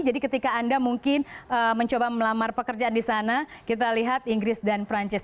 jadi ketika anda mungkin mencoba melamar pekerjaan di sana kita lihat inggris dan perancis